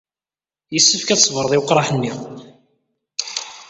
Yessefk ad tṣebred i weqraḥ-nni.